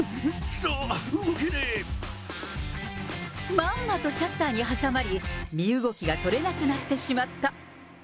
そー、まんまとシャッターに挟まり、身動きが取れなくなってしまった。